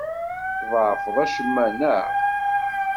Tḍeɛfeḍ acemma, neɣ?